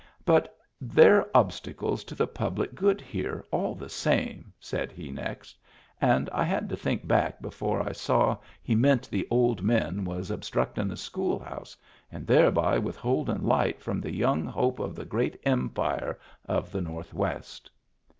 " But they're obstacles to the public good here, all the same," said he next ; and I had to think back before I saw he meant the old men was obstructin* the school house and thereby with holding light from the young hope of the great empire of the Northwest.